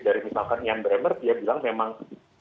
dari misalkan ian bremmer dia bilang memang